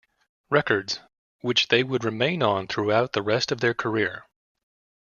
Records, which they would remain on throughout the rest of their career.